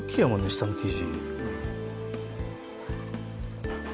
下の生地。